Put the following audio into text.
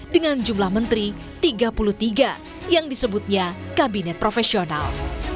dengan jumlah menteri tiga puluh tiga yang disebutnya kabinet profesional